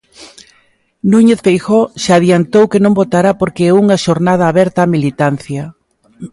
Núñez Feijóo xa adiantou que non votará porque é unha xornada aberta á militancia.